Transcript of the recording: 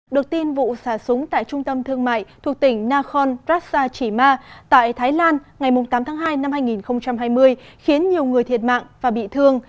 được tin vụ xả súng tại trung tâm thương mại thuộc tỉnh nakhon prasachima tại thái lan ngày tám tháng hai năm hai nghìn hai mươi khiến nhiều người thiệt mạng và bị thương